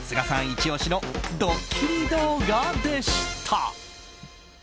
イチ押しのドッキリ動画でした。